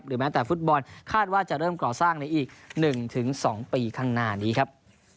แม้แต่ฟุตบอลคาดว่าจะเริ่มก่อสร้างในอีก๑๒ปีข้างหน้านี้ครับ